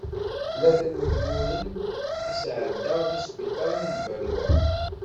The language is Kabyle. Tlata n wagguren i sεeddaɣ di sbiṭar n Balwa.